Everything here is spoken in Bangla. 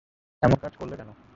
এমন কাজ করলে কেন?